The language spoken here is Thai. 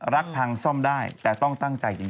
รักพังซ่อมได้แต่ต้องตั้งใจจริง